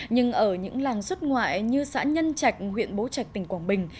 nhưng ở những làng xuất ngoại như xã nhân trạch huyện bố trạch tỉnh quảng bình